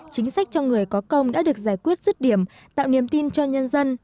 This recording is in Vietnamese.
chính sách cho người có công đã được giải quyết rứt điểm tạo niềm tin cho nhân dân